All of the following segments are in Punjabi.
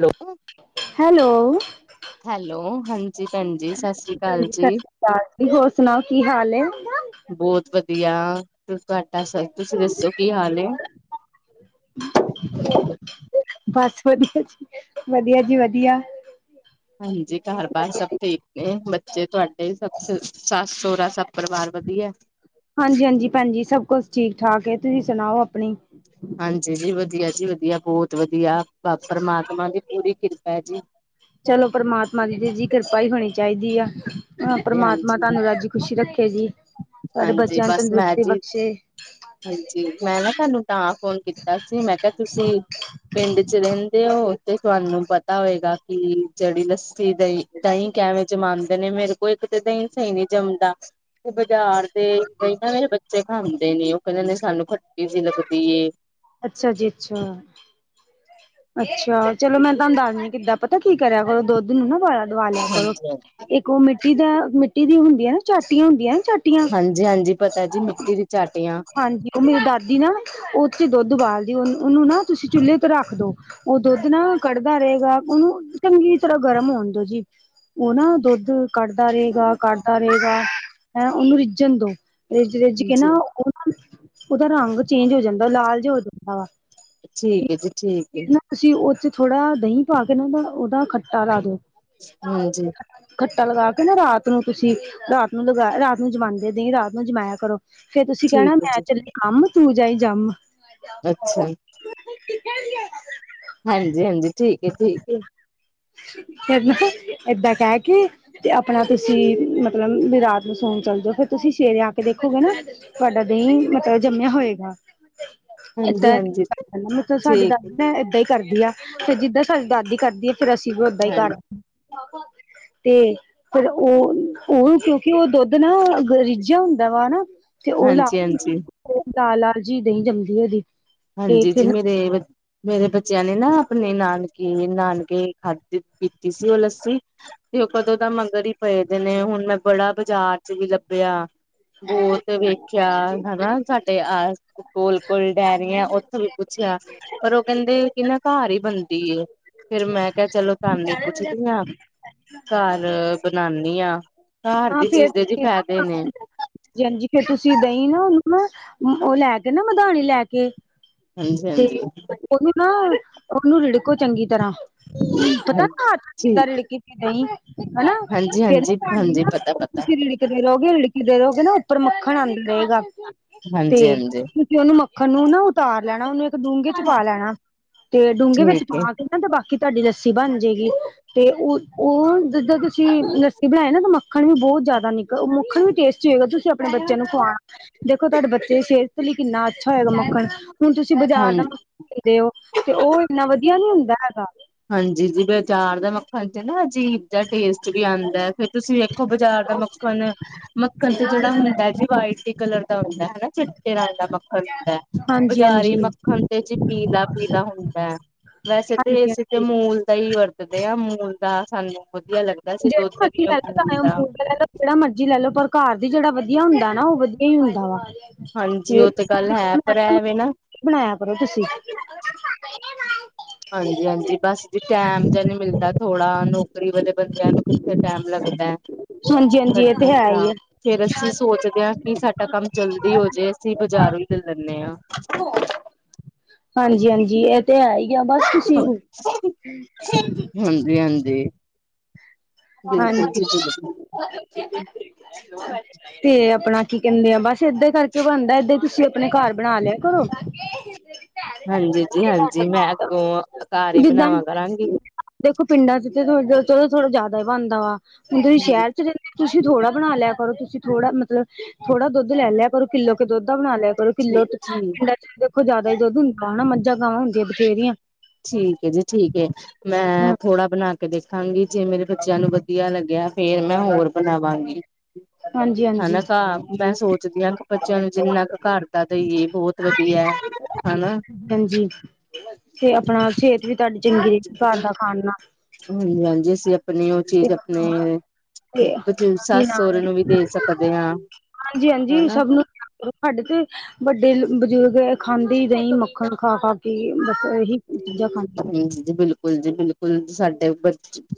[unintelligible] ਹੈਲੋ ਹੈਲੋ, ਹਾਂਜੀ ਭੈਣ ਜੀ ਸਸ ਸ੍ਰੀ ਕਾਲ ਹਾਂਜੀ ਸਤਿ ਜੀ। ਸ੍ਰੀ ਜੀ ਹੋਰ ਸੁਣਾਓ ਕੀ ਹਾਲ ਏ। ਬਹੁਤ ਵਦੀਆ, ਤੁਸੀਂ ਤੁਹਾਡਾ ਤੁਸੀਂ ਦੱਸੋ ਕੀ ਹਾਲ ਏ। [inaudible] ਬਸ ਵਧੀਆ ਜੀ ਵਧੀਆ ਜੀ ਵਧੀਆ ਹਾਂਜੀ, ਘਰ ਬਾਰ ਸਭ ਠੀਕ ਨੇ। ਬ ਤੇ ਤੁਹਾਡੇ ਸ ਸੱਸ ਸੋਹਰਾ ਸਭ ਪਰਿਵਾਰ ਵਧੀਆ। ਜੀ ਭੈਣ ਜੀ ਸਭ ਕੁਛ ਠੀਕ ਠਾਕ ਏ, ਤੁਸੀਂ ਸੁਣਾਓ ਆਪਣੀ। ਹਾਂਜੀ ਜੀਜੀ ਵਦੀਆ ਜੀ ਵਦੀਆ ਬਹੁਤ ਵਦੀਆਂ, ਪਰਮਾਤਮਾ ਦੀ ਪੂਰੀ ਕਿਰਪਾ ਐ ਜੀ। ਚਲੋ ਪਰਮਾਤਮਾ ਦੀ ਤੇ ਜੀ ਕਿਰਪਾ ਈ ਹੋਣੀ ਚਾਈਦੀ ਆ, ਅਹ ਹਾਂਜੀ ਪ੍ਰਮਾਤਮਾ ਹਾਂਜੀ। ਤੁਆਨੂੰ ਰੱਜ ਖੁਸ਼ੀ ਰੱਖੇ ਜੀ ਤੁਆਡੇ ਹਾਂਜੀ ਬਚਿਆਂ ਨੂੰ ਬਸ ਮੈਂ ਤੰਦਰੁਸਤੀ ਜੀ ਬਖਸ਼ੇ। ਹਾਂਜੀ ਮੈਂ ਨਾ ਤੁਹਾਨੂੰ ਤਾਂ ਫੋਨ ਕੀਤਾ ਸੀ ਮੈਂ ਕਿਹਾ ਤੁਸੀਂ ਪਿੰਡ 'ਚ ਰਹਿੰਦੇ ਹੋ ਉੱਥੇ ਤੁਹਾਨੂੰ ਪਤਾ ਹੋਏਗਾ ਕਿ ਜਿਹੜੀ ਲੱਸੀ ਦਈ ਦਹੀਂ ਕਿਵੇਂ ਜਮਾਉਂਦੇ ਨੇ, ਮੇਰੇ ਕੋਲ ਇੱਕ ਤਾਂ ਦਹੀਂ ਸਹੀ ਨਹੀਂ ਜੰਮਦਾ ਤੇ ਬਾਜ਼ਾਰ ਤੇ ਕਹਿੰਦਾ ਮੇਰੇ ਬੱਚੇ ਖਾਂਦੇ ਨੇ ਉਹ ਕਹਿੰਦੇ ਸਾਨੂੰ ਖੱਟੀ ਜਹੀ ਲੱਗਦੀ ਏ। ਅੱਛਾ ਜੀ ਅੱਛਾ! ਅੱਛਾ! ਚਲੋ ਮੈਂ ਤੁਹਾਨੂੰ ਦੱਸਦੀ ਕਿੱਦਾਂ ਪਤਾ ਕੀ ਕਰਿਆ ਕਰੋ। ਦੁੱਧ ਨੂੰ ਨਾ ਉਬਾਲਾ ਦਵਾ ਲਿਆ ਹਾਂਜੀ ਕਰੋ। ਹਾਂਜੀ ਉਹ ਮਿੱਟੀ ਦਾ ਮਿੱਟੀ ਦੀ ਹੁੰਦੀਆਂ ਨਾ ਝਾਟੀਆਂ ਹੁੰਦੀਆਂ ਚਾ ਹਾਂਜੀ ਹਾਂਜੀ ਪਤਾ ਜੀ ਮਿੱਟੀ ਦੀ ਚਾਟੀਆਂ। ਉਹ ਮੇਰੀ ਦਾਦੀ ਨਾ ਓ 'ਚ ਦੁੱਧ ਉਬਾਲਦੀ ਉਹਨੂੰ ਨਾ, ਤੁਸੀਂ ਚੁੱਲੇ ਤੇ ਰੱਖ ਦੋ। ਉਹ ਦੁੱਧ ਨਾ ਕੱੜਦਾ ਰਹੇਗਾ ਉਹਨੂੰ ਚੰਗੀ ਤਰ੍ਹਾਂ ਗਰਮ ਹੋਣ ਦੋ ਜੀ। ਉਹ ਨਾ ਦੁੱਧ ਕੱੜਦਾ ਰਹੇਗਾ ਕੱੜਦਾ ਰਹੇਗਾ ਹੈਂ ਓਹਨੂੰ ਰਿੱਝਣ ਦੋ। ਰਿੱਜ ਰਿਜ ਕੇ ਹਾਂਜੀ ਨਾ ਉਹ ਉਹਦਾ ਰੰਗ ਚੇਂਜ ਹੋ ਜਾਂਦਾ ਲਾਲ ਜਾ ਹੋ ਜਾਂਦਾ ਵਾ। ਠੀਕ ਹੈ ਜੀ ਠੀਕ ਹੈ ਤੁਸੀਂ ਉਹ 'ਚ ਥੋੜ੍ਹਾ ਦਹੀਂ ਪਾ ਕੇ ਨਾ, ਦਾ ਉਹਦਾ ਖੱਟਾ ਲਾ ਦਿਓ। ਹਾਂਜੀ। ਖੱਟਾ ਲਗਾ ਕੇ ਨਾ ਰਾਤ ਨੂੰ ਤੁਸੀਂ ਰਾਤ ਨੂੰ ਲਗਾ ਰਾਤ ਨੂੰ ਜਮਾਂਦੇ ਦ, ਈ ਰਾਤ ਨੂੰ ਜਮਾਇਆ ਕਰੋ, ਫੇਰ ਤੁਸੀਂ ਕਹਿਣਾ ਠੀਕ ਹੈ ਮੈਂ ਜੀ ਚੱਲੀ ਕੰਮ, ਤੂੰ ਜਾਈ ਜੰਮ। ਅੱਛਾ ਈ। [unintelligible] ਹਾਂਜੀ-ਹਾਂਜੀ, ਠੀਕ ਏ-ਠੀਕ ਏ। ਹੇਨਾ ਏਦਾ ਕੈ ਕਿ ਤੇ ਆਪਣਾ ਤੁਸੀਂ ਮਤਲਬ ਵੀ ਰਾਤ ਨੂੰ ਸੋਣ ਚਲ ਜਾਂਦੇ ਓ। ਫੇਰ ਤੁਸੀਂ ਸਵੇ ਰੇ ਆ ਕੇ ਦੇਖੋਗੇ ਨਾ ਤੁਹਾਡਾ ਦਹੀਂ ਮਤਲਬ ਜੰਮਿਆ ਹੋਏਗਾ। ਹਾਂਜੀ ਏਦਾਂ ਹਾਂਜੀ ਮਤਲਬ ਸਾਡੇ ਦ ਠੀਕ ਹੈ ਮੈਂ ਏਦਾਂ ਹੀ ਕਰਦੀ ਆ ਫਿਰ ਜਿੱਦਾਂ ਸਾਡੀ ਦਾਦੀ ਕਰਦੀ ਆ। ਫੇਰ ਅਸੀਂ ਵੀ ਓਦਾਂ ਈ ਕਰਦੇ ਹਾਂਜੀ ਤੇ ਫਿਰ ਉਹ ਉਹ ਕਿਉਂਕਿ ਉਹ ਦੁੱਧ ਨਾ ਗ ਰਿੱਝਾ ਹੁੰਦਾ ਵਾ ਹਨਾ ਤੇ ਉਹ ਲਾ ਹਾਂਜੀ ਹਾਂਜੀ ਲਾਲ-ਲਾਲ ਜੀਦਹੀਂ ਜਮਦੀ ਉਹਦੀ। ਤੇ ਹਾਂਜੀ ਜੀ ਫਿਰ ਮੇਰੇ ਮੇਰੇ ਬੱਚਿਆਂ ਨੇ ਨਾ, ਆਪਣੇ ਨਾਨਕੇ ਨਾਨਕੇ ਖਾਧ ਕੀਤੀ ਸੀ ਉਹ ਲੱਸੀ ਤੇ ਉਹ ਕਦੋਂ ਦਾ ਮਗਰ ਹੀ ਪਏਦੇ ਨੇ ਹੁਣ ਮੈਂ ਬੜਾ ਬਾਜ਼ਾਰ 'ਚ ਵੀ ਲੱਭਿਆ ਬੋਤ ਵੇਖਿਆ ਹਨਾ ਸਾਡੇ ਆ ਕੋਲ-ਕੋਲ ਡੈਮ ਉੱਥੇ ਵੀ ਪੁੱਛਿਆ ਪਰ ਉਹ ਕਹਿੰਦੇ ਕਿ ਨਾ ਘਰ ਈ ਬਣਦੀ ਏ। ਫੇਰ ਮੈਂ ਕਿਹਾ ਚਲੋ ਧਾਨੂੰ ਪੁੱਛਦੀ ਹਾਂ ਘਰ ਬਣਾਨੀ ਆ। ਘਰ ਦੀ ਚੀਜ਼ ਦੇ ਜ ਫਾਇਦੇ ਨੇ। ਜੀ ਹਾਂਜੀ ਫੇਰ ਤੁਸੀਂ ਦਹੀਂ ਨਾ ਉਹਨੂੰ ਨਾ ਉਹ ਲੈ ਕੇ ਨਾ ਮਧਾਣੀ ਲੈ ਕੇ ਤੇ ਹਾਂਜੀ-ਹਾਂਜੀ। ਉਹਨੂੰ ਨਾ, ਉਹਨੂੰ ਰਿੜਕੋ ਚੰਗੀ ਤਰ੍ਹਾਂ। ਪਤਾ ਘਰ ਕਿੱਦਾਂ ਠੀਕ ਰਿੜਕੀ ਹਨਾ ਫ ਨਾ ਹਾਂਜੀ ਹਾਂਜੀ ਹਾਂਜੀ ਪਤਾ ਪਤਾ ਤੁਸੀਂ ਰਿੜਕਦੇ ਰਹੋਗੇ ਰਿੜਕ ਦੇ ਰਹੋਗੇ ਨਾ ਉੱਪਰ ਮੱਖਣ ਆਉਂਦਾ ਰਹੇਗਾ। ਤੇ ਹਾਂਜੀ-ਹਾਂਜੀ। ਤੁਸੀਂ ਉਹਨੂੰ ਮੱਖਣ ਨੂੰ ਨਾ, ਉਤਾਰ ਲੈਣਾ। ਉਹਨੂੰ ਇੱਕ ਡੂੰਘੇ 'ਚ ਪਾ ਲੈਣਾ ਤੇ ਡੂੰਘੇ ਵਿੱਚ ਠੀਕ ਪਾ ਕੇ ਤੇ ਬਾਕੀ ਤੁਹਾਡੀ ਲੱਸੀ ਬਣ ਜਾਏਗੀ, ਤੇ ਉਹ ਉਹ ਜਿੱਦਾਂ ਤੁਸੀਂ ਲੱਸੀ ਬਣਾਏ ਨਾ ਤਾਂ ਮ ਮੱਖਣ ਵੀ ਬਹੁਤ ਜ਼ਿਆਦਾ ਨਿਕਲ ਮੱਖਣ ਵੀ ਟੇਸਟੀ ਹੋਏਗਾ ਤੁਸੀਂ ਆਪਣੇ ਬੱਚਿਆਂ ਨੂੰ ਖੁਵਾਣਾ। ਦੇਖੋ ਤੁਹਾਡੇ ਬੱਚੇ ਦੀ ਸਿਹਤ ਲਈ ਕਿੰਨਾ ਅੱਛਾ ਹੋਏਗਾ ਮੱਖਣ। ਹੁਣ ਤੁਸੀਂ ਏ ਬਾਜ਼ਾਰ ਦਾ ਮਖ ਹਾਂਜੀ। ਦੇਂਦੇ ਉਹ ਤੇ ਉਹ ਇੰਨਾ ਵਧੀਆ ਨੀ ਹੁੰਦਾ ਹੈਗਾ। ਹਾਂਜੀ ਜੀ ਬਾਜ਼ਾਰ ਦਾ ਮੱਖਣ। ਹਾਂਜੀ ਨਾ ਅਜੀਬ ਦਾ ਟੇਸਟ ਵੀ ਆਉਂਦਾ ਹੈ। ਫੇਰ ਤੁਸੀਂ ਵੇਖੋ ਬਾਜ਼ਾਰ ਦਾ ਮੱਖਣ ਮੱਖਣ ਤੇ ਜਿਹੜਾ ਹੁੰਦਾ ਜੀ ਵਾਈਟ ਹੀ ਕਲਰ ਦਾ ਹੁੰਦਾ। ਹਨਾ ਚਿੱਟੇ ਰੰਗ ਦਾ ਮੱਖਣ ਹੁੰਦਾ ਹਾਂਜੀ ਬਜ਼ਾਰੀ ਹਾਂਜੀ ਮੱਖਣ ਤੇ ਜੀ ਪੀਲਾ ਪੀਲਾ ਹੁੰਦਾ ਹੈ ਵੈਸੇ ਤਾਂ ਹਾਂਜੀ ਇਸ ਹਾਂਜੀ ਅਮੂਲ ਦਾ ਹੀ ਵਰਤਦੇ ਆਮੂਲ ਦਾ ਸਾਨੂੰ ਵਧੀਆ ਲੱਗਦਾ ਸੀ ਜਿਹੜਾ ਦੁੱਧ ਵੀ ਮਰਜ਼ੀ ਲੈ ਲਓ ਭਾਵੇਂ ਅਮੂਲ ਦਾ ਅਮਰੂਦ ਲੈ ਲਓ ਜਿਹੜਾ ਮਰਜੀੀ ਲੈ ਲੋ ਪਰ ਘਰ ਦੀ ਜਿਹੜਾ ਵਧੀਆ ਹੁੰਦਾ ਨਾ ਉਹ ਵਧੀਆ ਹੀ ਹੁੰਦਾ ਵਾ। ਹਾਂਜੀ ਜੈ ਉਹ ਤੇ ਗੱਲ ਕੀਤਾ ਹੈ ਪਰ ਐਵੇਂ ਤੁਹਾਨੂੰ ਨਾ ਬਣਾਇਆ ਕਰੋ ਤੁਸੀਂ। ਹਾਂਜੀ ਹਾਂਜੀ ਬਸ ਜੀ ਟੈਮ ਜ ਨਹੀਂੀ ਮਿਲਦਾ ਥੋੜਾ ਨੌਕਰੀ ਵਾਲੇ ਬੰਦਿਆਂ ਨੂੰ ਕਿੱਥੇ ਟੈਮ ਲੱਗਦਾ। ਹਾਂਜੀ ਹਾਂਜੀ ਇਹ ਤੇ ਕੱਢਣ ਹੈ ਹੀ ਦਾ ਹੈ। ਫੇਰ ਅਸੀਂ ਸੋਚਦੇ ਹਾਂ, ਕਿ ਸਾਡਾ ਕੰਮ ਜਲਦੀ ਹੋ ਜਾਏ। ਅਸੀਂ ਬਾਜ਼ਾਰੋਂ ਦੇ ਲੈਂਦੇ ਹਾਂ। ਹਾਂਜੀ ਹਾਂਜੀ ਇਹ ਤੇ ਹੈ ਹੀ ਆ ਬਸ ਤੁਸੀਂ ਹਾਂਜੀ ਹਾਂਜੀ। ਬਿਲਕੁਲ ਹਾਂਜੀ। ਜੀ ਬਿਲਕੁਲ ਤੇ ਆਪਣਾ ਕੀ ਕਹਿੰਦੇ ਆ ਬਸ ਏਦਾਂ ਕਰਕੇ ਕਿ ਬਣਦਾ ਏਦਾਂ, ਹੀ ਤੁਸੀਂ ਆਪਣੇ ਘਰ ਬਣਾ ਲਿਆ ਕਰੋ। ਹਾਂਜੀ ਜੀ ਹਾਂਜੀ ਮੈਂ ਅੱਗੋਂ ਘਰ ਹੀ ਜਿੱਦਾਂ ਬਣਾਵਾਂ ਕਰਾਂਗੀ। ਦੇਖੋ ਪਿੰਡਾਂ ਚ ਥੋੜ੍ਹਾ ਜ਼ਿਆਦਾ ਹੀ ਬਣਦਾ ਵਾ ਹੁਣ ਤੁਸੀਂ ਸ਼ਹਿਰ ਚ ਰਹਿੰਦੇ। ਤੁਸੀਂ ਥੋੜਾ ਬਣਾ ਲਿਆ ਕਰੋ ਤੁਸੀਂ ਥੋੜਾ ਮਤਲਬ ਥੋੜਾ ਦੁੱਧ ਲੈ ਲਿਆ ਕਰੋ। ਕਿੱਲੋ ਕੇ ਦੁੱਧ ਦਾ ਬਣਾ ਲਿਆ ਕਰੋ ਕਿੱਲੋ ਠੀਕ ਠੀਕ ਪਿੰਡਾਂ ਚ ਦੇਖੋ ਜ਼ਿਆਦਾ ਹੀ ਦੁੱਧ ਹੁੰਦਾ ਹਨਾ ਮਝਾਂ ਗਵਾਂ ਹੁੰਦੀਆਂ ਬਥੇਰੀਆਂ। ਠੀਕ ਏ ਜੀ ਠੀਕ ਏ ਮੈਂ ਹੂੰ ਥੋੜ੍ਹਾ ਬਣਾ ਕੇ ਦੇਖਾਂਗੀ ਜੇ ਮੇਰੇ ਬੱਚਿਆਂ ਨੂੰ ਵਧੀਆ ਲੱਗਿਆ ਫੇਰ ਮੈਂ ਹੋਰ ਬਣਾਵਾਂਗੀ। ਹਾਂਜੀ ਹਨਾ ਹਾਂਜੀ ਘ ਮੈਂ ਸੋਚਦੀ ਹਾਂ ਕਿ ਬੱਚਿਆਂ ਨੂੰ ਜਿੰਨਾ ਕੁ ਘਰ ਦਾ ਤੇ ਇਹ ਬਹੁਤ ਵਧੀਆ ਹਨਾ। ਹਾਂਜੀ ਤੇ ਆਪਣਾ ਸਿਹਤ ਵੀ ਤੁਹਾਡੀ ਚੰਗੀ ਰਹੀ ਘਰ ਦਾ ਖਾਣ ਨਾਲ। ਹਾਂਜੀ, ਹਾਂਜੀ ਅਸੀਂ ਆਪਣੀ ਉਹ ਤੇ ਚੀਜ਼ ਆਪਣੇ ਆਪਣਾ ਤੇ ਬਜ਼ੁਰਗ ਕੀ ਸੱਸ ਸਹੁਰ ਨਾਮ ਨੂੰ ਵੀ ਦੇ ਸਕਦੇ ਹਾਂ ਹਾਂਜੀ ਹਾਂਜੀ ਹਨਾ। ਸਭ ਨੂੰ ਸਾਡੇ ਤੇ ਵੱਡੇ ਬਜ਼ੁਰਗ ਖਾਂਦੇ ਹੀ ਦਹੀਂ ਮੱਖਣ ਖਾ, ਖਾ ਕੇ ਬਸ ਇਹੀ ਚੀਜ਼ਾਂ ਖਾਂਦੇ ਹਮ, ਜੀ ਬਿਲਕੁਲ ਜੀ ਬਿਲਕੁਲ ਸਾਡੇ ਬ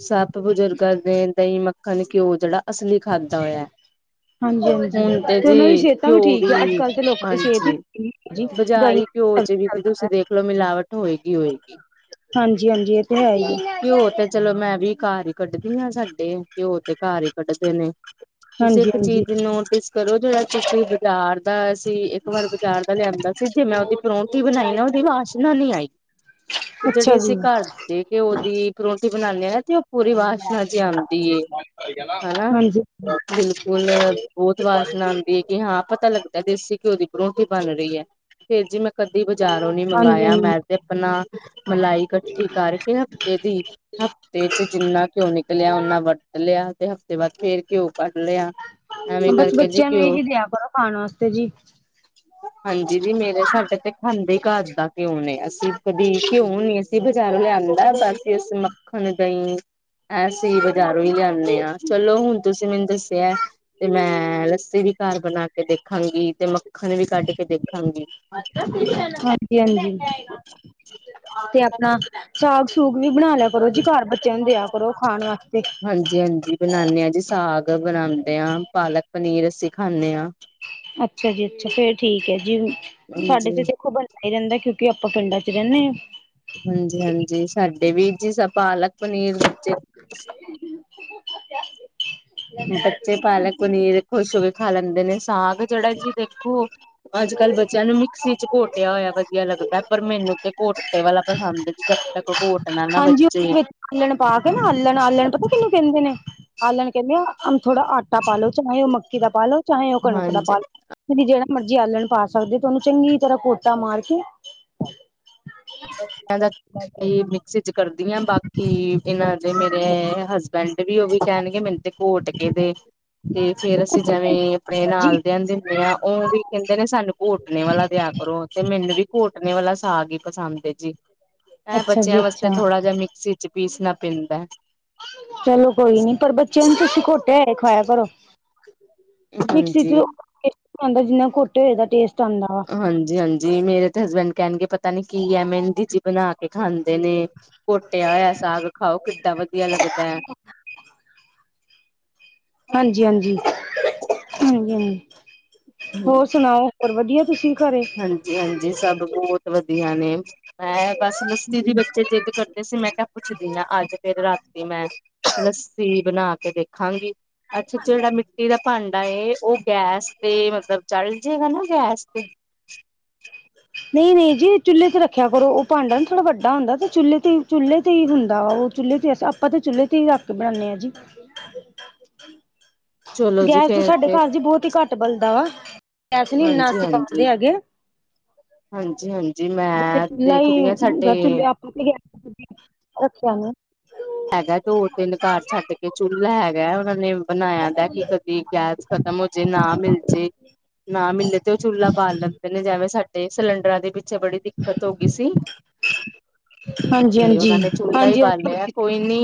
ਸਭ ਬਜ਼ੁਰਗਾਂ ਦੇ ਦਹੀਂ ਮੱਖਣ ਘਿਓ ਜਿਹੜਾ ਅਸਲੀ ਖਾਧਾ ਹੋਇਆ। ਹਾਂਜੀ ਹਾਂਜੀ ਹੁਣ ਤੇ ਜੀ ਉਹਨਾਂ ਦੀ ਸਿਹਤਾਂ ਘਿਓ ਠੀਕ ਹੈ ਅੱਜ ਵੀ ਕੱਲ੍ਹ ਤੇ ਲੋਕਾਂ ਦੀ ਸਿਹਤ ਹਾਂਜੀ ਹੀ ਜੀ ਬਜ਼ਾਰੀ ਘਿਓ ਦਵਾਈਆਂ ਵਿੱਚ ਵੀ ਤੁਸੀਂ ਦੇਖ ਲਓ ਮਿਲਾਵਟ ਹੋਏਗੀ, ਹੋਏਗੀ। ਹਾਂਜੀ, ਹਾਂਜੀ ਇਹ ਤੇ ਹੈ ਹੀ ਆ। ਘਿਓ ਤੇ ਚਲੋ ਮੈਂ ਵੀ ਘਰ ਹੀ ਕੱਢਦੀਆਂ ਸਾਡੇ ਘਿਓ ਤੇ ਘਰ ਹੀ ਕੱਢਦੇ ਨੇ ਤੁਸੀਂ ਹਾਂਜੀ ਇੱਕ ਚੀਜ਼ ਹਾਂਜੀ ਦੀ ਨੋਟਿਸ ਘਰੋ ਜਿਹੜਾ ਚ ਬਾਜ਼ਾਰ ਦਾ ਸੀ। ਇੱਕ ਵਾਰ ਬਾਜ਼ਾਰ ਦਾ ਲਿਆਂਦਾ ਸੀ, ਜੇ ਮੈਂ ਉਹਦੀ ਪਰੌਂਠੀ ਬਣਾਈ ਨਾ ਉਹਦੀ ਵਾਸ਼ਨਾ ਨੀ ਆਈ। ਤੇ ਜਿਹੜੀ ਅੱਛਾ ਜੀ ਅਸੀਂ ਘਰ ਦੇ ਘਓ ਦੀ ਪਰੋਟੀ ਬਣਾਦੇ ਹਾਂ ਨਾ ਤੇ ਉਹ ਪੂਰੀ ਵਾਸ਼ਨਾ ਜੀ ਆਉਂਦੀ ਹਨਾ ਹਾਂਜੀ ਬਿਲਕੁਲ ਬਹੁਤ ਵਾਸ਼ਨਾ ਆਉਂਦੀ ਹੈ ਕਿ ਹਾਂ ਪਤਾ ਲੱਗਦਾ ਦੇਸੀ ਘਿਓ ਦੀ ਪਰੋਂਠੀ ਬਣ ਰਹੀ ਹੈ। ਫੇਰ ਜੀ ਮੈਂ ਕਦੀ ਬਾਜ਼ਾਰੋਂ ਨੀ ਹਾਂਜੀ ਮੰਗਵਾਆ ਹਾਂਜੀ ਮੈਂ ਤੇ ਆਪਣਾ ਮਲਾਈ ਇਕੱਠੀ ਕਰ ਕੇ ਹਫ਼ਤੇ ਦੀ ਹਫ਼ਤੇ ਚ ਜਿੰਨਾ ਘਿਉ ਨਿਕਲਿਆ ਨਾ ਵਰਤ ਲਿਆ ਤੇ ਹਫਤ ਤੇ ਬਸ ਫੇਰ ਘਿਓ ਕੱਢ ਲਿਆ। ਐਵੇਂ ਬਸ ਕਰਕੇ ਜੀ ਬੱਚਿਆਂ ਨੂੰ ਘਿਓ ਇਹੀ ਦਿਆ ਕਰੋ ਖਾਣ ਵਾਸਤੇ ਜੀ। ਹਾਂਜੀ ਦੀ ਮੇਰੇ ਸਾਡੇ ਤੇ ਖਾਂਦੇ ਹੀ ਘਾਰ ਦਾ ਘਿਓ ਨੇ ਅਸੀ ਕਦੇ ਘਿਓ ਨੀ ਅਸੀਂ ਬਜ਼ਾਰ ਲਿਆਉਂਦਾ। ਬਾਕੀ ਅਸੀਂ ਮੱਖਣ ਦਹੀ ਅਸੀਂ ਬਜ਼ਾਰੋਂ ਹੀ ਲਿਆਉਂਦੇ ਹਾਂ ਚਲੋ ਹੁਣ ਤੁਸੀਂ ਮੈਨੂੰ ਦੱਸਿਆ। ਤੇ ਮੈਂ ਲੱਸੀ ਵੀ ਘਰ ਬਣਾ ਕੇ ਦੇਖਾਂਗੀ ਤੇ ਮੱਖਣ ਵੀ ਕੱਢ ਕੇ ਦੇਖਾਂਗੀ। ਹਾਂਜੀ, ਹਾਂਜੀ ਤੇ ਆਪਣਾ ਸਾਗ ਸੂਪ ਵੀ ਬਣਾ ਲਿਆ ਕਰੋ ਹਾਂਜੀ ਜੀ ਘਰ ਬੱਚਿਆਂ ਨੂੰ ਦਿਆ ਕਰੋ ਖਾਣ ਵਾਸਤੇ। ਜੀ ਹਾਂਜੀ ਬਣਾਦੇ ਹਾਂ ਜੀ ਸਾਗ ਬਣਾਉਂਦੇ ਹਾਂ ਪਾਲਕ ਪਨੀਰ ਅਸੀਂ ਖਾਂਦੇ ਹਾਂ। ਅੱਛਾ ਜੀ, ਅੱਛਾ ਫੇਰ ਠੀਕ ਹੈ ਜੀ ਸਾਡੇ ਹਾਂਜੀ ਤੇ ਦੇਖੋ ਬ ਨਹੀਂ ਲਿਆਂਦਾ ਕਿਉਂਕਿ ਆਪਾਂ ਪਿੰਡਾਂ ਚ ਰਹਿੰਦੇ। ਹਾਂਜੀ, ਹਾਂਜੀ ਸਾਡੇ ਵੀ ਜੀ ਪਾਲਕ ਪਨੀਰ ਵਿੱਚ ਏ [inaudible] ਬੱਚੇ ਪਾਲਕ ਪਨੀਰ ਖੁਸ਼ ਹੋ ਕੇ ਖਾ ਲੈਂਦੇ ਨੇ। ਸਾਗ ਜਿਹੜਾ ਜੀ ਦੇਖੋ, ਅੱਜ ਕੱਲ੍ਹ ਬੱਚਿਆਂ ਨੂੰ ਮਿਕਸੀ ਚ ਘੋਟਿਆ ਹੋਇਆ ਵਧੀਆ ਲੱਗਦਾ। ਪਰ ਮੈਨੂੰ ਤੇ ਘੋਟਕੇ ਵਾਲਾ ਪਸੰਦ ਜਦ ਤੱਕ ਘੋਟ ਹਾਂਜੀ, ਉਹ ਵਿੱਚ ਹਲਣ ਪਾ ਕੇ ਨਾ ਆਲਣ ਆਲਣ ਪਤਾ ਕਿੰਨੂੰ ਕਹਿੰਦੇ ਨੇ ਆਲਣ ਕਹਿੰਦੇ ਆ ਥੋੜਾ ਆਟਾ ਪਾਲੋ ਚਾਹੇ ਉਹ ਮ ਮੱਕੀ ਦਾ ਪਾ ਲਓ ਚਾਹੇ ਉਹ ਕਣਕ ਦਾ ਹਾਂਜੀ ਪਾ ਲਓ। ਤੁਸੀਂ ਜਿਹੜਾ ਮਰਜੀ ਆਲਣ ਪਾ ਸਕਦੇ ਤੇ ਉਹਨੂੰ ਚੰਗੀ ਤਰ੍ਹਾਂ ਘੋਟਾ ਮਾਰ ਕੇ ਬਸ ਮ [inaudible] ਜੀ ਕਰਦੀਆ ਹਾਂ ਬਾਕੀ ਇਹਨਾਂ ਦੇ ਮੇਰੇ ਹਸਬੈਂਡ ਵੀ ਉਹ ਵੀ ਕਹਿਣਗੇ ਮੈਨੂੰ। ਘੋਟ ਕੇ ਦੇ ਤੇ ਫੇਰ ਅਸੀਂ ਜਿਵੇਂ ਆਪਣੇ ਜੀ ਨਾਲ ਦਿਆਂ ਨੂੰ ਦਿੰਦੇ ਹਾਂ ਉਹ ਵੀ ਕਹਿੰਦੇ ਨੇ ਸਾਨੂੰ ਘੋਟਣੇ ਵਾਲਾ ਦਿਆ ਕਰੋ ਤੇ ਮੈਨੂੰ ਵੀ ਘੋਟਣੇ ਵਾਲਾ ਸਾਗ ਹੀ ਪਸੰਦ ਜੀ ਐ ਅੱਛਾ ਬੱਚਿਆਂ ਜੀ ਵਾਸਤੇ ਅੱਛਾ ਥੋੜਾ ਜਿਹਾ ਮ ਸ ਚ ਪੀਸਣਾ ਪੈਂਦਾ ਚਲੋ ਕੋਈ ਨੀ ਪਰ ਬੱਚਿਆਂ ਨੂੰ ਤੁਸੀ ਘੋਟਿਆ ਹੋਇਆ ਖਵਾਇਆ ਕਰੋ। ਮਿਕਸੀ ਚਂ ਹਾਂਜੀ ਇਨਾ ਟੇਸਟ ਨਹੀਂ ਆਉਂਦਾ ਜਿੰਨਾ ਘੋਟੇ ਹੋਏ ਦਾ ਆਂਦਾ ਹੈ। ਹਾਂਜੀ, ਹਾਂਜੀ ਮੇਰੇ ਤੇ ਹਸਬੈਂਡ ਕਹਿਣਗੇ ਪਤਾ ਨੀ ਕੀ ਹੈ ਮਹਿੰਦੀ ਜੀ ਬਣਾ ਕੇ ਖਾਂਦੇ ਨੇ। ਘੋਟਿਆ ਹੋਇਆ ਸਾਗ ਖਾਓ ਕਿੱਡਾ ਵਧੀਆ ਲੱਗਦਾ ਹੈ। ਹਾਂਜੀ, ਹਾਂਜੀ, ਹਾਂਜੀ, ਹਾਂਜੀ ਹੋਰ ਸੁਣਾਓ? ਹੋਰ ਵਧੀਆ ਤੁਸੀਂ ਘਰੇ? ਹਾਂਜੀ ਹਾਂਜੀ ਸਭ ਬਹੁਤ ਵਧੀਆ ਨੇ ਮੈਂ ਬਸ ਲੱਸੀ ਦੀ ਬੱਚੇ ਜਿੱਦ ਕਰਦੇ ਸੀ ਮੈਂ ਕਿਹਾ ਪੁੱਛਦੀ ਨਾ ਅੱਜ ਫਿਰ ਰਾਤੀ ਮੈਂ ਲੱਸੀ ਬਣਾ ਕੇ ਦੇਖਾਂਗੀ ਅੱਛਾ ਜਿਹੜਾ ਮਿੱਟੀ ਦਾ ਭਾਂਡਾ ਉਹ ਗੈਸ ਤੇ ਮਤਲਬ ਚਲ ਜਾਏਗਾ ਨਾ ਗੈਸ ਤੇ ਨਹੀਂ ਨਹੀਂ ਜੀ ਚੁੱਲੇ ਤੇ ਰੱਖਿਆ ਕਰੋ। ਉਹ ਭਾਂਡਾ ਨਾ ਥੋੜਾ ਵੱਡਾ ਹੁੰਦਾ ਤੇ ਚੁੱਲੇ ਤੇ ਹੀ ਚੁੱਲ੍ਹ ਤੇ ਹੀ ਹੁੰਦਾ ਉਹ। ਚੁੱਲ੍ਹੇ ਤੇ ਆਪਾਂ ਤਾਂ ਚੁੱਲ੍ਹੇ ਤੇ ਹੀ ਰੱਖ ਕੇ ਬਣਾਦੇ ਹਾਂ ਜੀ। ਚਲੋ ਜੀ ਗੈਸ ਤੋਂ ਫੇਰ ਸਾਡੇ ਤੇ ਘਰ ਚ ਬਹੁਤ ਹੀ ਘੱਟ ਬਲਦਾ ਵਾ। ਪੈਸੇ ਨੀ ਇੰਨਾ ਹਾਂਜੀ ਅਸੀਂ ਪਟਦੇ ਹਾਂਜੀ ਹੈਗੇ। ਹਾਂਜੀ ਹਾਂਜੀ ਉਥੇ ਮੈਂ ਚੁੱਲਾ ਹੀ ਦੇਖਦੀ ਹਾਂ [inaudible] ਸਾਡੇ ਤੁਸੀ ਰੱਖਿਆ ਨਾ। ਹੈਗਾ ਦੋ ਤਿੰਨ ਘਰ ਛੱਡ ਕੇ ਚੁੱਲ੍ਹਾ ਹੈਗਾ ਉਹਨਾ ਨੇ ਬਣਾਇਆ ਦਾ ਕਿ ਕਦੀ। ਗੈਸ ਖਤਮ ਹੋਜੇ ਨਾ ਮਿਲਜੇ। ਨਾ ਮਿਲੇ ਤੇ ਉਹ ਚੁੱਲਾ ਬਾਲ ਲੈਂਦੇ ਨੇ ਜਿਵੇਂ ਸਾਡੇ ਸਿਲੰਡਰਾਂ ਦੇ ਪਿੱਛੇ ਬੜੀ। ਦਿੱਕਤ ਹੋ ਗਈ ਸੀ ਹਾਂਜੀ ਤੇ ਹਾਂਜੀ ਉਹਨਾਂ ਨੇ ਚੁੱਲਾ ਹੀ ਹਾਂਜੀ ਬਾਲਿਆ। ਹਾਂਜੀ ਕੋਈ ਨੀ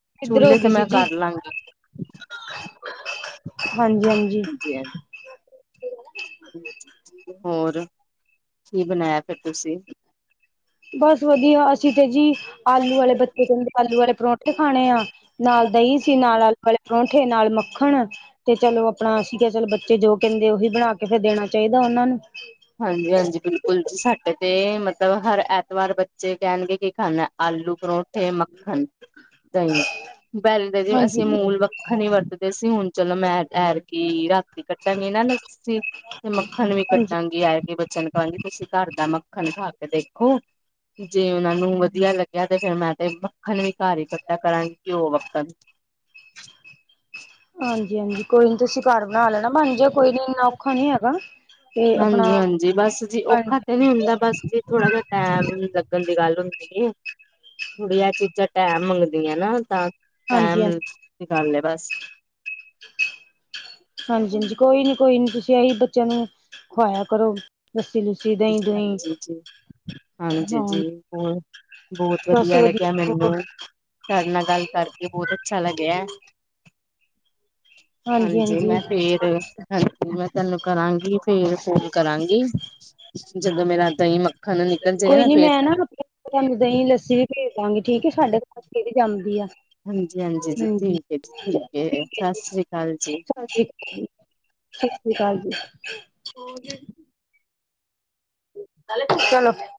ਕਿੱਧਰ ਹੋ ਚੁੱਲੇ ਤੇ ਗਈ ਸੀ ਮੈਂ ਜੀ ਕਰ ਲਾਂਗੀ। ਹਾਂਜੀ ਹਾਂਜੀ। [inaudible] ਹੋਰ ਕੀ ਬਣਾਇਆ? ਫਿਰ ਤੁਸੀਂ। ਬਸ ਵਧੀਆ ਅਸੀਂ ਤੇ ਜੀ ਆਲੂ ਵਾਲੇ ਬੱਚੇ ਕਹਿੰਦੇ ਆਲੂ ਵਾਲੇ ਪਰੌਂਠੇ ਖਾਣੇ ਆ। ਨਾਲ ਦਹੀਂ ਸੀ ਨਾਲ ਆਲੂ ਵਾਲੇ ਪਰੌਂਠੇ ਨਾਲ ਮੱਖਣ ਤੇ ਚਲੋ ਆਪਣਾ ਸੀ ਕਿਹਾ ਚੱਲ ਬੱਚੇ ਬੱਚੇ ਜੋ ਕਹਿੰਦੇ ਉਹੀ ਬਣਾ ਕੇ ਫਿਰ ਦੇਣਾ ਚਾਹੀਦਾ ਉਹਨਾਂ ਨੂੰ ਹਾਂਜੀ ਹਾਂਜੀ ਬਿਲਕੁਲ ਸੈਚੜੇ ਤੇ ਮਤਲਬ ਹਰ ਐਤਵਾਰ ਬੱਚੇ ਕਹਿਣਗੇ ਕੀ ਖਾਣਾ ਆਲੂ ਪਰੋਂਠੇ ਮੱਖਣ ਦਹੀਂ ਬੈਲਦਾ ਜੇ ਅਸੀਂ ਹਾਂਜੀ ਮੂਲ ਮੱਖਣ ਵਰਤਦੇ ਸੀ ਹੁਣ ਚਲੋ ਮੈਂ ਠਹਿਰ ਕੀ ਰਾਤੀ ਕੱਟਾਂਗੀ ਨਾ ਲੱਸੀ ਤੇ ਮੱਖਣ ਵੀ ਕੱਟ ਹਾਂਜੀ ਕੇ ਆਏ ਗਏ ਬੱਚਿਆਂ ਨੂੰ ਕਹਾਂਗੀ ਤੁਸੀਂ ਘਰ ਦਾ ਮੱਖਣ ਖਾ ਕੇ ਦੇਖੋ ਜੇ ਉਹਨਾਂ ਨੂੰ ਵਧੀਆ ਲੱਗਿਆ ਤੇ ਫਿਰ ਮੈਂ ਤੇ ਮੱਖਣ ਵੀ ਘਰ ਹੀ ਕੱਟਿਆ ਕਰਾਂਗੀ ਘਿਓ ਵੱਖਣ ਹਾਂਜੀ ਹਾਂਜੀ ਕੋਈ ਨੀ ਤੁਸੀਂ ਘਰ ਬਣਾ ਲੈਣਾ ਬਣ ਜਾ ਕੋਈ ਨੀ ਇੰਨਾ ਔਖਾ ਨੀ ਹੈਗਾ ਤੇ ਆਪਣਾ ਹਾਂਜੀ ਹਾਂਜੀ ਬਸ ਜੀ ਹਾਂਜੀ ਔਖਾ ਤੇ ਨੀ ਹੁੰਦਾ ਬਸ ਜੀ ਥੋੜਾ ਜਿਹਾ ਟੈਮ ਲੱਗਣ ਦੀ ਗੱਲ ਹੁੰਦੀ ਥੋੜੀ ਜੀ ਚੀਜ਼ਾਂ ਟੈਮ ਮੰਗਦੀ ਨਾ ਤਾਂ ਹਾਂਜੀ ਟਾਈਮ ਹਾਂਜੀ ਨ ਕਰ ਲਏ ਬਸ ਹਾਂਜੀ ਹਾਂਜੀ ਕੋਈ ਨੀ ਕੋਈ ਨੀ ਤੁਸੀਂ ਇਹੀ ਬੱਚਿਆਂ ਨੂੰ ਖਵਾਇਆ ਕਰੋ ਲਸੀ ਲੁਸੀ ਜੀ ਹਾਂਜੀ ਜੀ ਹਾਂਜੀ ਹਾਂ ਜੀ ਹੋਰ ਬਹੁਤ ਵਧੀਆ ਲੱਗਿਆ ਮੈਨੂੰ ਤੁਹਾਡੇ ਨਾਲ ਗੱਲ ਕਰਕੇ ਬਹੁਤ ਅੱਛਾ ਲੱਗਿਆ ਹਾਂਜੀ ਮੈਂ ਫਿਰ ਤੇ ਹਾਂਜੀ ਮੈਂ ਤੈਨੂੰ ਕਰਾਂਗੀ ਫਿਰ ਫੋਨ ਕਰਾਂਗੀ ਜਦੋਂ ਮੇਰਾ ਦਹੀਂ ਮੱਖ ਕੋਈ ਨੀ ਮੈਂ ਨਾ ਰੋਟੀਆਂ ਤੁਹਾਨੂੰ ਦਹੀਂ ਲੱਸੀ ਵੀ ਭੇਜ ਦਾਂਗੇ ਠੀਕ ਸਾਡੇ ਬਥੇਰੀ ਜਾਂਦੀ ਆ ਹਾਂਜੀ ਹਾਂਜੀ ਜੀ ਠੀਕ ਹੈ ਜੀ ਠੀਕ ਹੈ ਸਤਿ ਸ੍ਰੀ ਅਕਾਲ ਜੀ ਸ੍ਰੀ ਸਤਿ ਸ਼੍ਰੀ ਅਕਾਲ ਜੀ ਹੋ ਗਿਆ [unintelligible]